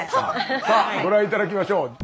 さあご覧頂きましょう。